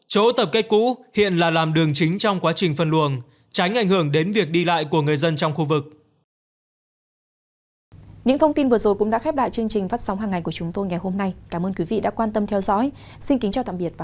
chỗ tập kết cũ hiện là làm đường chính trong quá trình phân luồng tránh ảnh hưởng đến việc đi lại của người dân trong khu vực